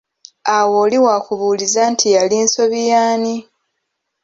Awo oli wakubuuliza nti yali nsobi y'ani?